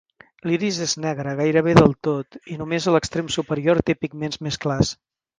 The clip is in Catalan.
L'iris és negre gairebé del tot, i només a l'extrem superior té pigments més clars.